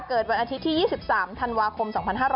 วันอาทิตย์ที่๒๓ธันวาคม๒๕๕๙